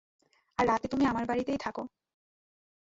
আর রাতে তুমি আমার বাড়িতেই থাক।